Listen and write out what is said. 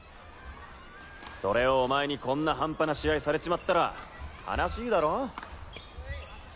それをお前にこんな半端な試合されちまったら悲しいだろ？